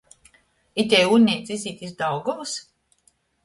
Itei ūļneica izīt iz Daugovys?